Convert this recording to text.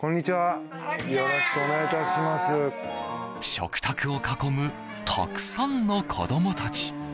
食卓を囲むたくさんの子供たち。